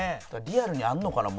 リアルにあるのかな？